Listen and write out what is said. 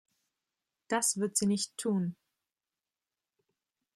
Das wird sie nicht tun.